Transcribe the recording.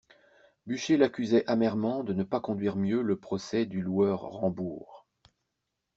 Buchez l'accusait amèrement de ne pas conduire mieux le procès du loueur Rambourg.